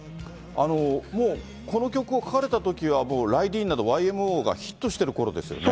もうこの曲を書かれたときは、もうライディーンなどＹＭＯがヒットしてるころですよね。